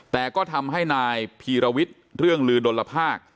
แต่ก็ทำให้นายพีรวิทย์เรื่องลือดลภาค